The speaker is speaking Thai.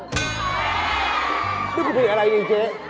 ไม่ปรุงเครื่องอะไรนี่เจ๊